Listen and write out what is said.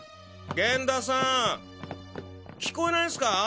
源田さん聞こえないんすか？